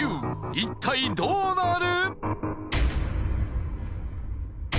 一体どうなる？